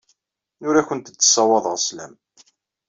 Ur awent-d-ssawaḍeɣ sslam.